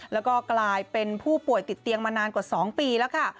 แล้วก็กลายเป็นผู้ป่วยติดเตียงมานานกว่า๒ปีแล้วค่ะ